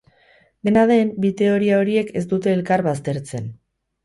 Dena den, bi teoria horiek ez dute elkar baztertzen.